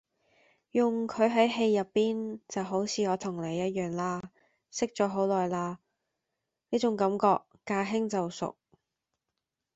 同佢喺戲入邊就好似我同你一樣啦識咗好耐啦，呢種感覺駕輕就熟